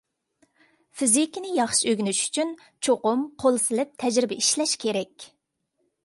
فىزىكىنى ياخشى ئۆگىنىش ئۈچۈن، چوقۇم قول سېلىپ تەجرىبە ئىشلەش كېرەك.